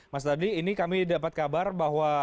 mas tadi ini kami dapat kabar bahwa